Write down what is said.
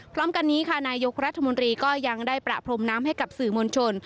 พร้อมกันนี้ค่ะนายกรัฐมนตรีก็ยังได้ประพรมน้ำให้กับสื่อมวลชน